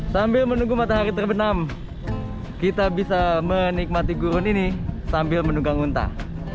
sambil menunggu matahari terbenam kita bisa menikmati gurun ini sambil menunggang muntah